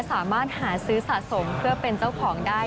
สามารถหาซื้อสะสมเพื่อเป็นเจ้าของได้